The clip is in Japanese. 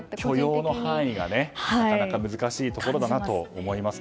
許容の範囲がなかなか難しいところだと思います。